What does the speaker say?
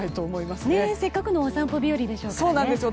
せっかくのお散歩日和でしょうからね。